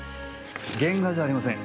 原画じゃありません。